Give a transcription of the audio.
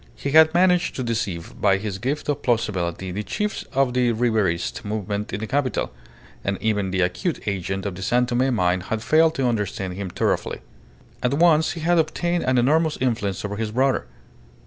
He had managed to deceive by his gift of plausibility the chiefs of the Ribierist movement in the capital, and even the acute agent of the San Tome mine had failed to understand him thoroughly. At once he had obtained an enormous influence over his brother.